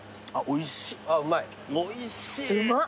おいしいー！